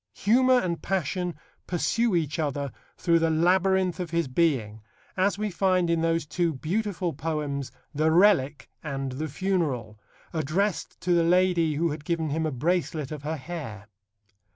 Humour and passion pursue each other through the labyrinth of his being, as we find in those two beautiful poems, The Relic and The Funeral, addressed to the lady who had given him a bracelet of her hair.